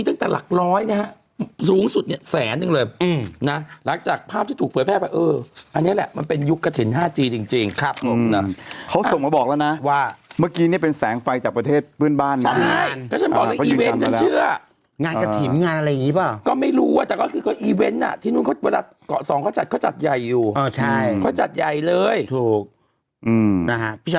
ถ้านุ่มหยุดพูดมันก็ได้เบรกทั้งนานแล้วล่ะ